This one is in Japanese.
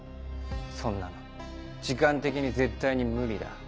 そんなの時間的に絶対に無理だ。